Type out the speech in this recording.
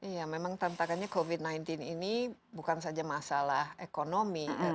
iya memang tantangannya covid sembilan belas ini bukan saja masalah ekonomi